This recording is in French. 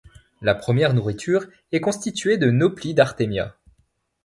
La première nourriture est constituée de nauplies d'artémias.